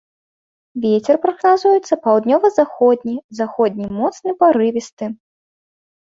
Вецер прагназуецца паўднёва-заходні, заходні моцны парывісты.